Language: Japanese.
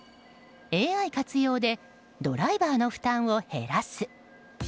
ＡＩ活用でドライバーの負担を減らす。